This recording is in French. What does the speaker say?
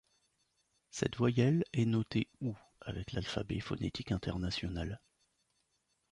Cette voyelle est notée ou avec l’alphabet phonétique international.